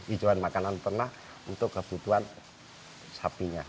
ijuan makanan perah untuk kebutuhan sapinya